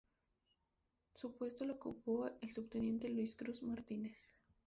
Su puesto lo ocupó el subteniente Luis Cruz Martínez.